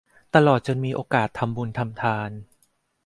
ตลอดจนมีโอกาสทำบุญทำทาน